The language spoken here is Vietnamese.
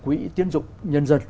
quỹ tiêu dụng nhân dân